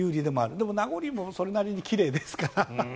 でも、ナゴルニーもそれなりに奇麗ですから。